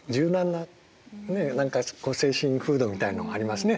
何か精神風土みたいのがありますね。